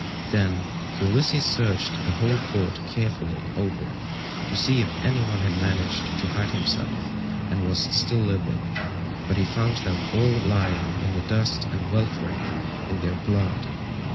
Then Ulysses searched the whole court carefully over, to see if anyone had managed to hide himself and was still living, but he found them all lying in the dust and weltering in their blood.